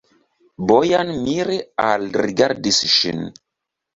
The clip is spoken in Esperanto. Bojan mire alrigardis ŝin.